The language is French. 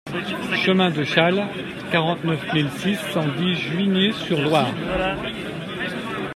Chemin de Chasles, quarante-neuf mille six cent dix Juigné-sur-Loire